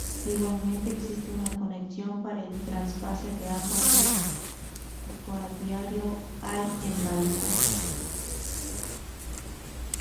Igualmente, existe una conexión para el trasvase de agua del Guadiaro al embalse.